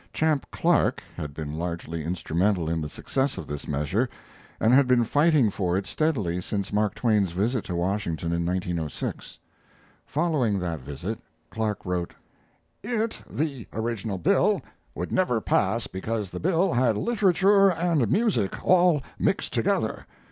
Champ Clark had been largely instrumental in the success of this measure, and had been fighting for it steadily since Mark Twain's visit to Washington in 1906. Following that visit, Clark wrote: ... It [the original bill] would never pass because the bill had literature and music all mixed together.